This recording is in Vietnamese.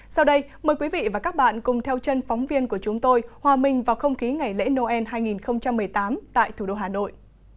sau đây mời quý vị và các bạn cùng theo chân phóng viên của chúng tôi hòa minh vào không khí ngày lễ noel hai nghìn một mươi tám tại thủ đô hà nội